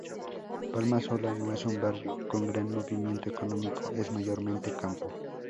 Palma Sola no es un barrio con gran movimiento económico: es mayormente campo.